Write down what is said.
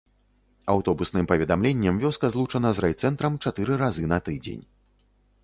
Аўтобусным паведамленнем вёска злучана з райцэнтрам чатыры разы на тыдзень.